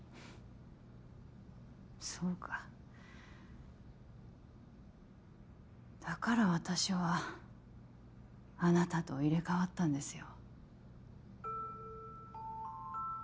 そうかだから私はあなたと入れ替わったんですよ